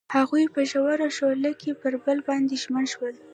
هغوی په ژور شعله کې پر بل باندې ژمن شول.